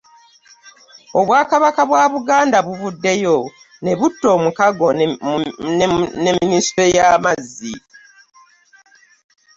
Obwakabaka bwa Buganda buvuddeyo ne butta omukago ne Minisitule y'amazzi